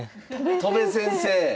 戸辺先生！